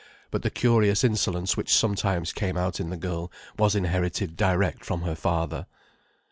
But the curious insolence which sometimes came out in the girl was inherited direct from her father.